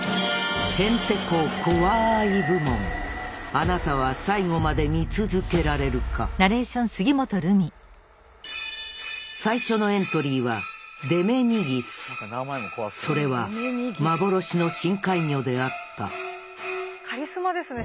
あなたは最後まで見続けられるか最初のエントリーはそれは幻の深海魚であったカリスマですね